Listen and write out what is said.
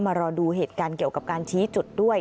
รอดูเหตุการณ์เกี่ยวกับการชี้จุดด้วย